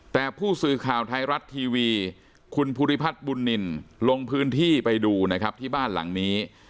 แต่ผู้สื่อข่าวไทยรัฐทีวีคุณภูริพัฒน์บุญนินลงพื้นที่ไปดูนะครับที่บ้านหลังนี้